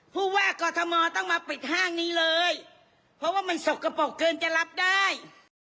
ผู้ว่ากอทมต้องมาปิดห้างนี้เลยเพราะว่ามันสกปรกเกินจะรับได้